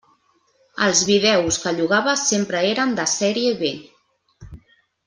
Els vídeos que llogava sempre eren de sèrie B.